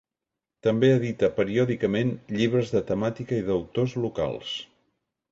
També edita periòdicament llibres de temàtica i d’autors locals.